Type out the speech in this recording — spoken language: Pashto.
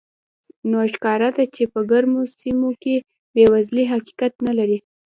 نو ښکاره ده چې په ګرمو سیمو کې بېوزلي حقیقت نه لري.